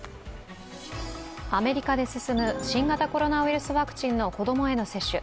アメリカで進む新型コロナウイルスワクチンの子供への接種。